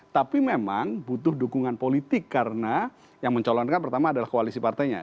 tapi memang butuh dukungan politik karena yang mencalonkan pertama adalah koalisi partainya